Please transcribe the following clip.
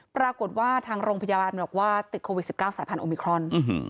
ปรากฏว่าทางโรงพยาบาลบอกว่าติดโควิด๑๙สายพันธุมิครอน